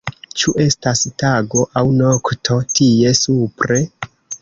Ĉu estas tago aŭ nokto, tie, supre?